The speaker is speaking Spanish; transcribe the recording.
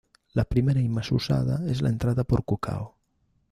La primera y más usada es la entrada por Cucao.